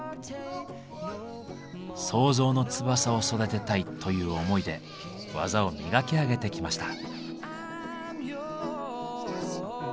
「創造の翼を育てたい」という思いで技を磨き上げてきました。